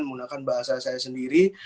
menggunakan bahasa saya sendiri